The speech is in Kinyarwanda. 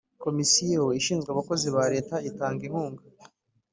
komisiyo ishinzwe abakozi ba leta itanga inkunga